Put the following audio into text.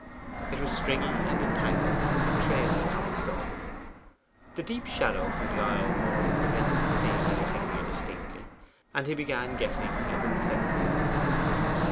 It was stringy and entangled, and trailed upon the stone. The deep shadow from the aisle wall prevented his seeing anything here distinctly, and he began guessing as a necessity.